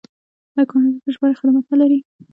آیا کاناډا د ژباړې خدمات نلري؟